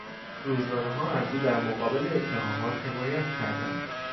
روزنامهها از او در مقابل اتهامات، حمایت کردند.